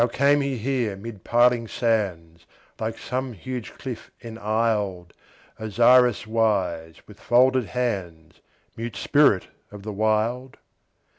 How came he here mid piling sands, Like some huge cliff enisled, Osiris wise, with folded hands, Mute spirit of the Wild?